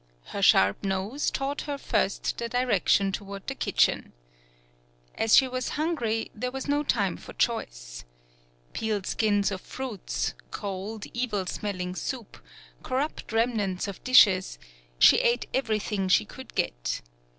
Her sharp nose taught her first the direction toward the kitchen. As she was hun gry, there was no time for choice. Peeled skins of fruits, cold, evil smell ing soup, corrupt remnants of dishes she ate everything she could get.